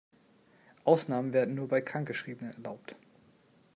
Ausnahmen werden nur bei Krankgeschriebenen erlaubt.